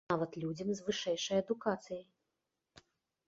Нават людзям з вышэйшай адукацыяй.